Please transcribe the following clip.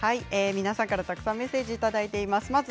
皆さんからたくさんメッセージいただています。